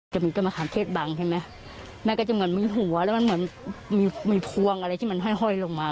จะมีต้นมะขามเทศบังใช่ไหมแม่ก็จะเหมือนมีหัวแล้วมันเหมือนมีมีพวงอะไรที่มันห้อยลงมา